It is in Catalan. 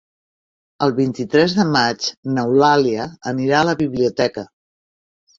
El vint-i-tres de maig n'Eulàlia anirà a la biblioteca.